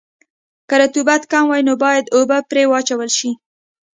که رطوبت کم وي نو باید اوبه پرې واچول شي